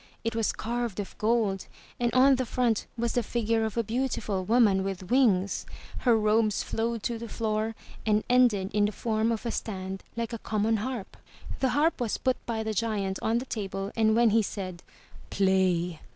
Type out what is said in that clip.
It was carved of gold and on the front was the figure of a beautiful woman with wings. Her robes flowed to the floor and ended in the form of a stand like a common harp. The harp was put by the giant on the table and when he said 'Tlay!'